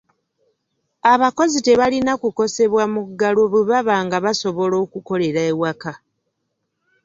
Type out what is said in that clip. Abakozi tebalina kukosebwa muggalo bwe baba nga basobola okukolera ewaka.